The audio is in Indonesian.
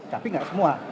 tapi tidak semua